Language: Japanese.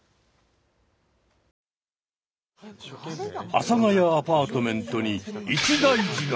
阿佐ヶ谷アパートメントに一大事が！